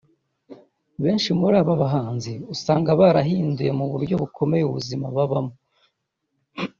Benshi muri aba bahanzi usanga barahinduye mu buryo bukomeye ubuzima babamo